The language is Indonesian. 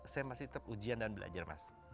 saya masih tetap ujian dan belajar mas